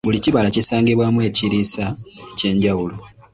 Buli kibala kisangibwamu ekiriisa eky’enjawulo.